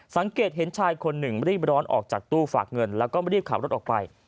สังเกตเห็นชายคนหนึ่งรีบร้อนออกจากตู้ฝากเงินแล้วก็รีบขับรถออกไป